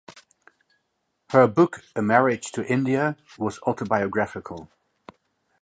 Her book "A Marriage to India" was autobiographical.